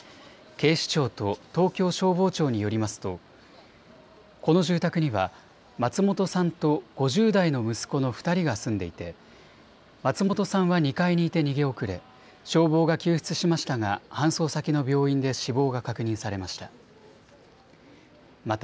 警視庁と東京消防庁によりますとこの住宅には松本さんと５０代の息子の２人が住んでいて松本さんは２階にいて逃げ遅れ消防が救出しましたが搬送先の病院で死亡が確認されました。